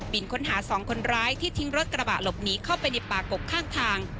ค้นหาสองคนร้ายที่ทิ้งรถกระบะหลบหนีเข้าไปในป่ากกข้างทาง